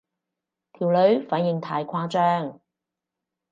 條女反應太誇張